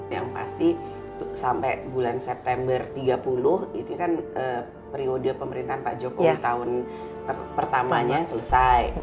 yang pasti sampai bulan september tiga puluh itu kan periode pemerintahan pak jokowi tahun pertamanya selesai